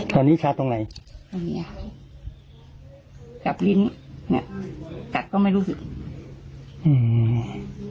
ตอนนี้ชาตรงไหนตรงเนี้ยค่ะกับลิ้นเนี้ยอืมกัดก็ไม่รู้สึกอืม